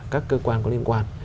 các cơ quan có liên quan